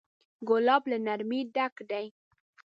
ګلاب له نرمۍ ډک دی.